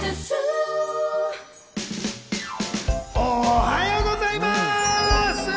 おはようございます。